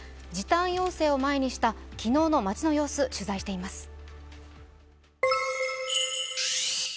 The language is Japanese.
時短要請を前にした昨日の街の様子、取材しています。